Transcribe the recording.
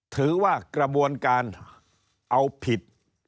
ถือว่ากระบวนการเอาผิด